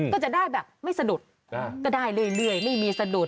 ก็จะได้แบบไม่สะดุดก็ได้เรื่อยไม่มีสะดุด